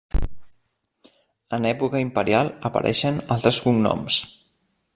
En època imperial apareixen altres cognoms.